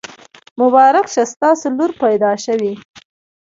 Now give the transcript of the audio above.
مبارک شه! ستاسو لور پیدا شوي.